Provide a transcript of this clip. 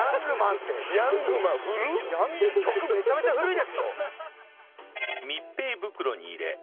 曲めちゃくちゃ古いですよ。